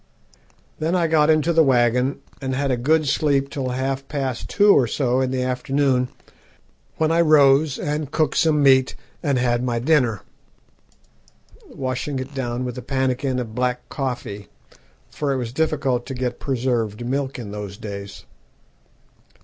Then I got into the waggon and had a good sleep till half past two or so in the afternoon, when I rose and cooked some meat, and had my dinner, washing it down with a pannikin of black coffee for it was difficult to get preserved milk in those days.